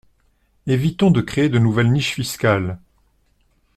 Évitons de créer de nouvelles niches fiscales.